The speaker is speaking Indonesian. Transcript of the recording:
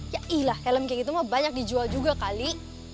yailah helm kayak gitu mah banyak dijual juga kali